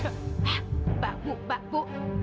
hah mbak bu mbak bu